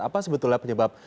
apa sebetulnya penyebab